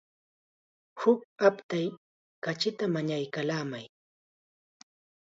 Huk aptay kachita mañaykallamay.